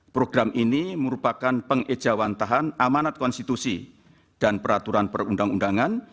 program ini merupakan pengejawantahan amanat konstitusi dan peraturan perundang undangan